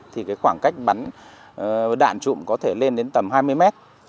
thì cái khoảng cách bắn đạn trụng có thể lên đến tầm hai mươi m